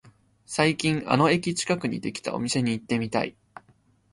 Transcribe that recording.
最近あの駅近くにできたお店に行ってみたい